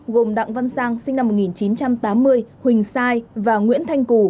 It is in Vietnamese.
gồm đặng văn sang sinh năm một nghìn chín trăm tám mươi huỳnh sai và nguyễn thanh cù